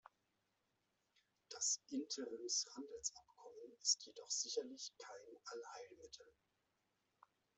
Das Interimshandelsabkommen ist jedoch sicherlich kein Allheilmittel.